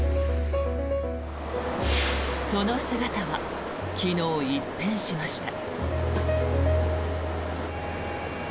その姿は昨日、一変しました。